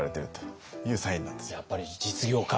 やっぱり実業家。